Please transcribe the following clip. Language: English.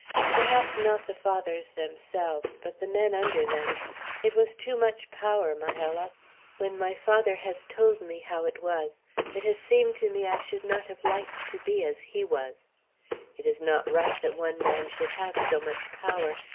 "Perhaps not the Fathers themselves, but the men under them. It was too much power, Majella. When my father has told me how it was, it has seemed to me I should not have liked to be as he was. It is not right that one man should have so much power.